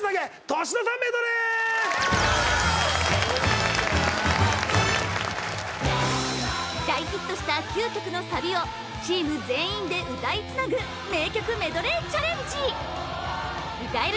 年の差メドレー大ヒットした９曲のサビをチーム全員で歌いつなぐ名曲メドレーチャレンジ